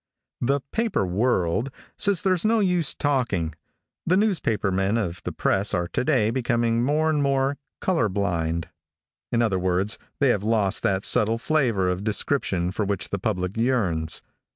|THE Paper World says there's no use talking, the newspaper men of the press are to day becoming more and more "color blind." In other words, they have lost that subtle flavor of description for which the public yearns.